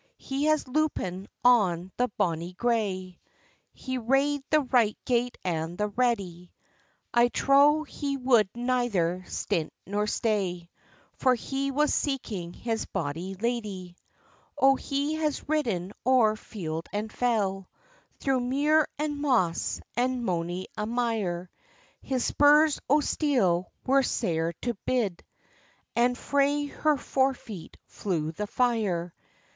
He has loupen on the bonny gray, He rade the right gate and the ready; I trow he would neither stint nor stay, For he was seeking his bonny ladye. O he has ridden o'er field and fell, Through muir and moss, and mony a mire; His spurs o' steel were sair to bide, And fra her fore feet flew the fire.